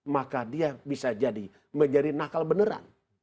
maka dia bisa menjadi nakal beneran